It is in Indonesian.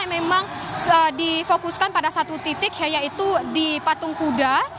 yang memang difokuskan pada satu titik yaitu di patung kuda